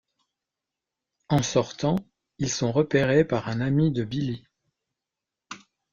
En sortant, ils sont repérés par un ami de Billy.